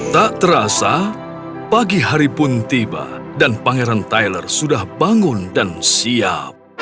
tak terasa pagi hari pun tiba dan pangeran tyler sudah bangun dan siap